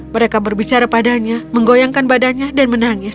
mereka berbicara padanya menggoyangkan badannya dan menangis